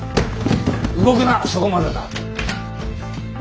動くなそこまでだ。